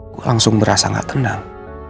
gua langsung merasa gak tenang